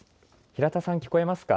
平田さん、聞こえますか。